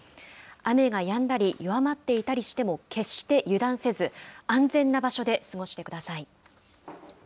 雨がやんだり弱まっていたりしても決して油断せず、安全な場所で過ごしてください。